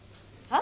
あ！